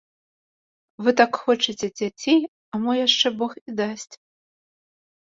Вы так хочаце дзяцей, а мо яшчэ бог і дасць.